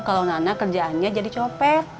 kalau nana kerjaannya jadi copet